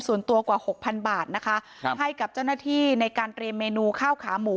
มอบเงินส่วนตัวกว่า๖๐๐๐บาทให้กับเจ้าหน้าที่ในการเตรียมเมนูข้าวขาหมู